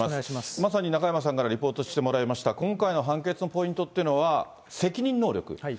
まさに中山さんからリポートしてもらいました、今回の判決のポイントっていうのは、責任能力。